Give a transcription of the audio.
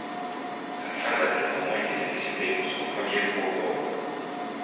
À la fin de la saison, il est sélectionné pour son premier Pro Bowl.